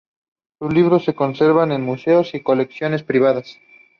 Sus libros se conservan en museos y colecciones privadas.